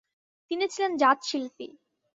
তিনি ছিলেন জাত শিল্পী।